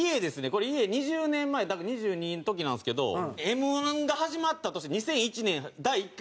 これ家２０年前だから２２の時なんですけどＭ−１が始まった年２００１年第１回目の時に。